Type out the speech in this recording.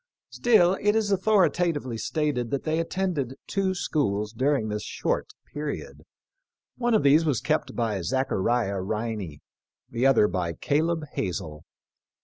Still it is authori* tatively stated that they attended two schools dur ing this short period. One of these was kept by Zachariah Riney, the other by Caleb Hazel.